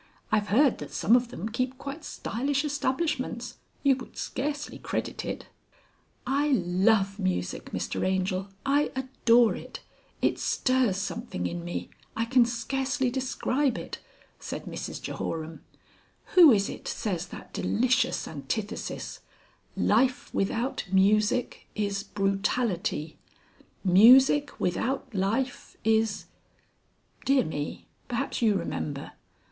"I've heard that some of them keep quite stylish establishments. You would scarcely credit it " "I love music, Mr Angel, I adore it. It stirs something in me. I can scarcely describe it," said Mrs Jehoram. "Who is it says that delicious antithesis: Life without music is brutality; music without life is Dear me! perhaps you remember?